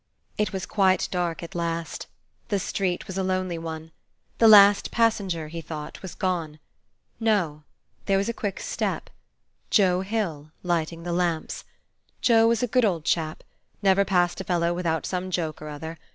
It was quite dark at last. The street was a lonely one. The last passenger, he thought, was gone. No, there was a quick step: Joe Hill, lighting the lamps. Joe was a good old chap; never passed a fellow without some joke or other.